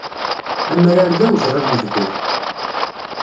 Amrar d awezɣi ad yebded.